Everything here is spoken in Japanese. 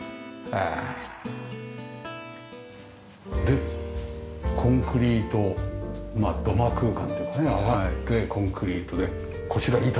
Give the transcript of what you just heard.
でコンクリートまあ土間空間というかね上がってコンクリートでこちら板ですよね。